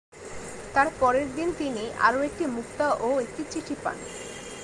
তার পরের দিন তিনি আরো একটি মুক্তা ও একটি চিঠি পান।